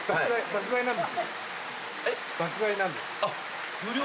爆買いなんです。